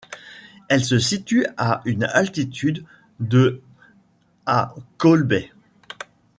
Elle se situe à une altitude de à Cole Bay.